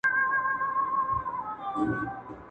دا وطن دی د رنځورو او خوږمنو ..